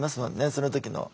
その時の。